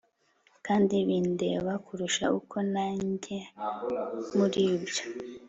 kandi bindeba kurusha uko najya muribyo